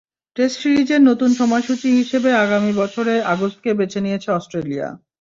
Test সিরিজের নতুন সময়সূচি হিসেবে আগামী বছরে আগস্টকে বেছে নিয়েছে অস্ট্রেলিয়া।